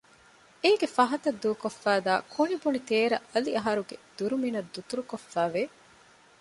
އޭގެ ފަހަތަށް ދޫކޮށްފައިދާ ކުނިބުނި ތޭރަ އަލިއަހަރުގެ ދުރުމިނަށް ދަތުރުކޮށްފައި ވެ